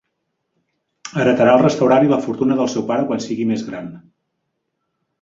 Heretarà el restaurant i la fortuna del seu pare quan sigui més gran.